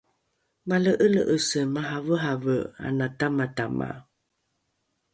male’ele’ese maraverevere ana tamatama